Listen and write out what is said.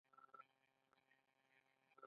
د سپوږمۍ ښکلا د شپې تیاره ته ښکلا ورکوي.